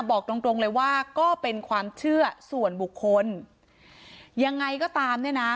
บอกตรงตรงเลยว่าก็เป็นความเชื่อส่วนบุคคลยังไงก็ตามเนี่ยนะ